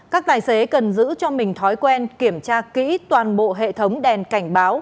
các tài xế cần giữ cho mình thói quen kiểm tra kỹ toàn bộ hệ thống đèn cảnh báo